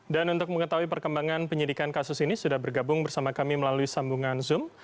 dan untuk mengetahui perkembangan penyidikan kasus ini sudah bergabung bersama kami melalui sambungan zoom